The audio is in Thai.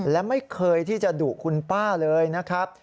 และไม่เคยที่จะดุคุณป้าเลยนะครับ